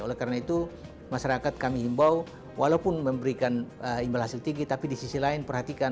oleh karena itu masyarakat kami himbau walaupun memberikan imbal hasil tinggi tapi di sisi lain perhatikan